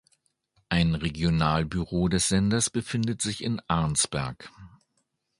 Ein Regionalbüro des Senders befindet sich in Arnsberg.